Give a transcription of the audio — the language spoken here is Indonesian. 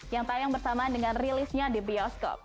yang tayang bersamaan dengan rilisnya di bioskop